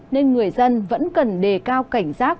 nên người dân vẫn cần đề cao cảnh giác